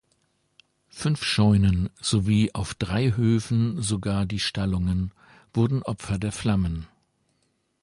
Fünf Scheunen, sowie auf drei Höfen sogar die Stallungen, wurden Opfer der Flammen.